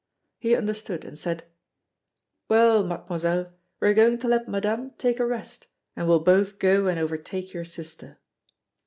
He understood, and said: "Well, Mademoiselle, we are going to let Madame take a rest, and we'll both go and overtake your sister."